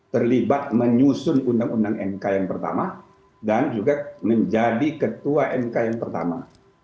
terlibat menyusun undang undang mk yang pertama dan juga menjadi ketua mk yang pertama